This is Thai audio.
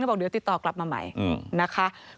บอกเดี๋ยวติดต่อกลับมาใหม่นะคะ